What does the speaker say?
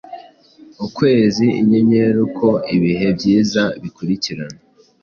ukwezi, inyenyeri, uko ibihe byiza bikurikirana,